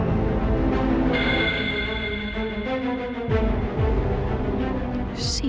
tante sarah juga disana